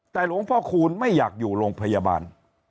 แต่หลวงพ่อคูณไม่อยากอยู่โรงพยาบาล